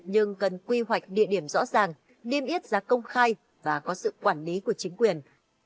nhưng cần quy hoạch địa điểm rõ ràng niêm yết giá công khai và có sự quản lý của chính quyền